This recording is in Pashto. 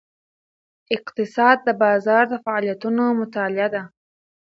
اقتصاد د بازار د فعالیتونو مطالعه ده.